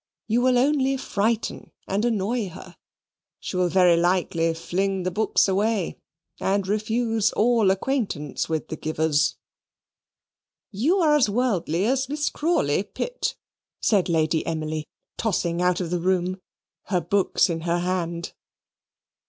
You will only frighten and annoy her. She will very likely fling the books away, and refuse all acquaintance with the givers." "You are as worldly as Miss Crawley, Pitt," said Lady Emily, tossing out of the room, her books in her hand.